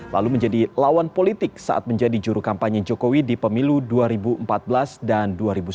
lalu menjadi lawan politik saat menjadi juru kampanye jokowi di pemilu dua ribu empat belas dan dua ribu sembilan belas